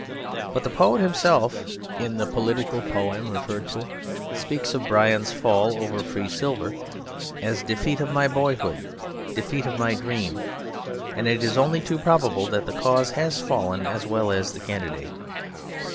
But the poet himself, in the political poem referred to, speaks of Bryan's fall over Free Silver as 'defeat of my boyhood, defeat of my dream'; and it is only too probable that the cause has fallen as well as the candidate.